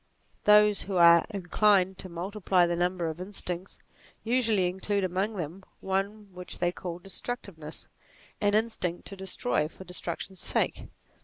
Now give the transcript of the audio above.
Those who are inclined to multiply the number of instincts, usually include among them one which they call destructive ness : an instinct to destroy for destruction's sake.